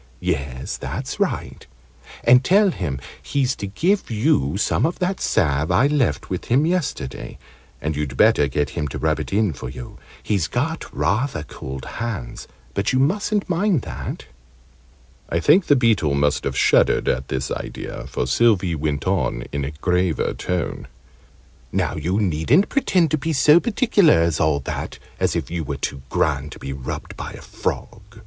"Yes, that's right. And tell him he's to give you some of that salve I left with him yesterday. And you'd better get him to rub it in for you. He's got rather cold hands, but you mustn't mind that." I think the Beetle must have shuddered at this idea, for Sylvie went on in a graver tone. "Now you needn't pretend to be so particular as all that, as if you were too grand to be rubbed by a frog.